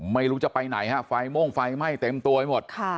ไม่รู้จะไปไหนฮะไฟม่วงไฟไหม้เต็มตัวไปหมด